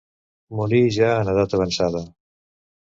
Morí ja en edat avançada.